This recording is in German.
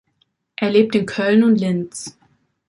Er lebt in Köln und Linz.